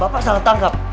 pak salah tangkap